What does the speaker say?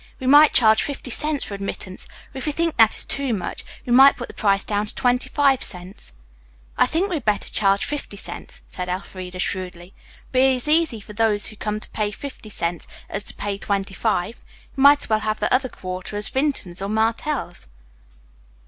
We might charge fifty cents for admittance, or, if you think that is too much, we might put the price down to twenty five cents." "I think we had better charge fifty cents," said Elfreda shrewdly. "It will be as easy for those who come to pay fifty cents as to pay twenty five. We might as well have the other quarter as Vinton's or Martell's."